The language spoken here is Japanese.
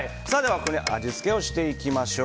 ここに味付けをしていきましょう。